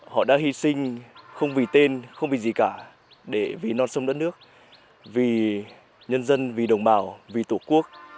họ đã hy sinh không vì tên không vì gì cả để vì non sông đất nước vì nhân dân vì đồng bào vì tổ quốc